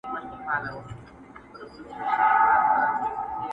يو تر بله هم په عقل گړندي وه.!